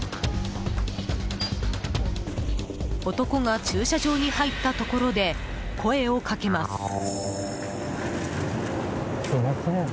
男が駐車場に入ったところで声を掛けます。